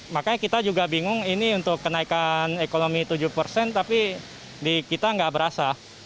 makanya kita juga bingung ini untuk kenaikan ekonomi tujuh persen tapi di kita nggak berasa